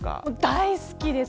大好きです。